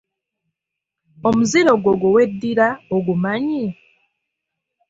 Omuziro gwo gwe weddira ogumanyi?